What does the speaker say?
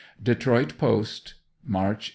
Detroit Post, March 1885.